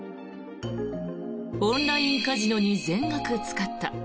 オンラインカジノに全額使った。